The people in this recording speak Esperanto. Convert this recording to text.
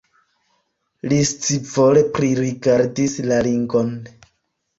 Li scivole pririgardis la ringon.